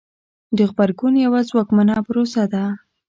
د غبرګون یوه ځواکمنه پروسه ده.